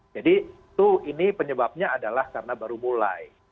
jadi itu ini penyebabnya adalah karena baru mulai